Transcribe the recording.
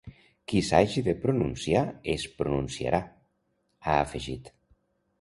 Qui s’hagi de pronunciar es pronunciarà, ha afegit.